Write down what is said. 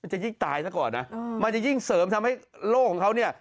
จะยิ่งตายซะก่อนนะมันจะยิ่งเสริมทำให้โลกของเขาเนี่ย